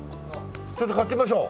ちょっと買ってみましょう。